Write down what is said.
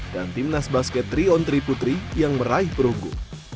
dan tim nas basket tiga on tiga putri yang meraih perunggu